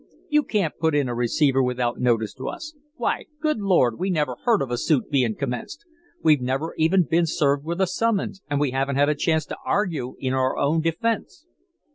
"You can't put in a receiver without notice to us. Why, good Lord! we never heard of a suit being commenced. We've never even been served with a summons and we haven't had a chance to argue in our own defence."